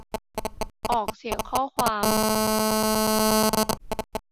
ออกเสียงข้อความ